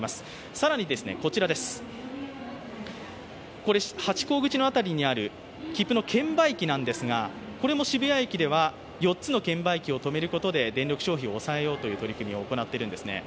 更に、ハチ公口の辺りにある切符の券売機なんですが、これも渋谷駅では４つの券売機を止めることで電力消費を抑えようという取り組みが行われているんです。